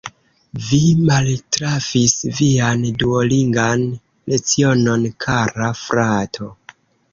Vi maltrafis vian duolingan lecionon, kara frato.